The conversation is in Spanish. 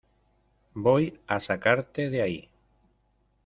Voy a sacarte de ahí.